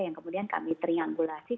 yang kemudian kami triangulasi